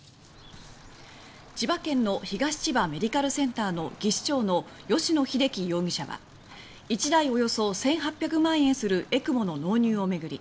千葉県の東千葉メディカルセンターの技士長の吉野英樹容疑者は１台およそ１８００万円するＥＣＭＯの納入を巡り